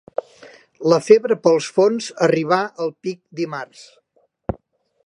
La febre pels fons arribar al pic dimarts.